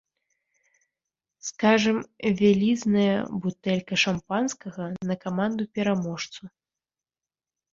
Скажам, вялізная бутэлька шампанскага на каманду-пераможцу.